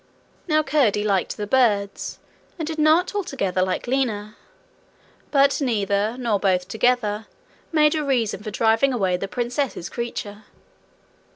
Now curdie liked the birds, and did not altogether like Lina. But neither, nor both together, made a reason for driving away the princess's creature.